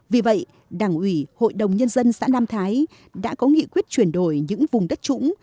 vì vậy đảng ủy hội đồng nhân dân xã nam thái đã có nghị quyết chuyển đổi những vùng đất trũng